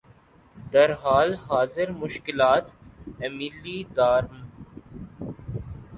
در حال حاضر مشکلات ایمیلی دارم